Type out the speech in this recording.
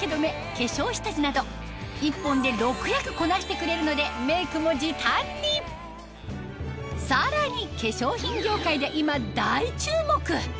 化粧下地など１本で６役こなしてくれるのでメイクも時短にさらに化粧品業界で今大注目！